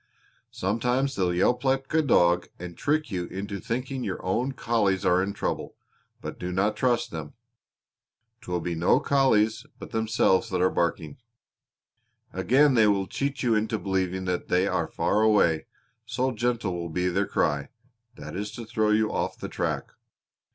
Sometimes they'll yelp like a dog and trick you into thinking your own collies are in trouble; but do not trust them. 'Twill be no collies but themselves that are barking. Again they will cheat you into believing that they are far away, so gentle will be their cry; that is to throw you off the track.